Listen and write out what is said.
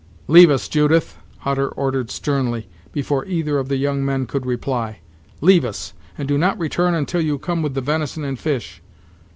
"Leave us, Judith," Hutter ordered sternly, before either of the young men could reply; "leave us; and do not return until you come with the venison and fish.